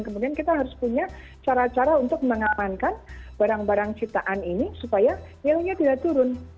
kemudian kita harus punya cara cara untuk mengamankan barang barang ciptaan ini supaya nilainya tidak turun